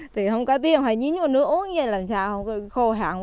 thì không có tiền hay nhín một nửa uống như thế làm sao không có khô hả